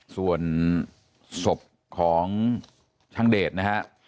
ส่วนศพของช่างเดชนะฮะ